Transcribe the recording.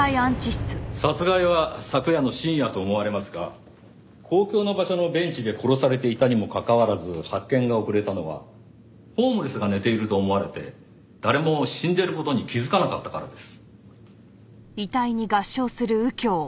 殺害は昨夜の深夜と思われますが公共の場所のベンチで殺されていたにもかかわらず発見が遅れたのはホームレスが寝ていると思われて誰も死んでる事に気づかなかったからです。